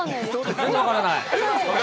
全然分からない？